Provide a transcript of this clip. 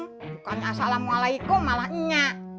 bukan assalamualaikum malah nya